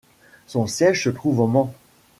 Son siège se trouve au Mans.